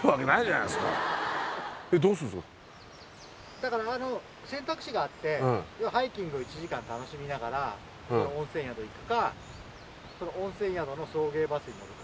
だから選択肢があってハイキングを１時間楽しみながら温泉宿行くか温泉宿の送迎バスに乗るか。